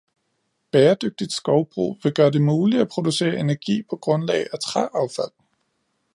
Bæredygtigt skovbrug vil gøre det muligt at producere energi på grundlag af træaffald.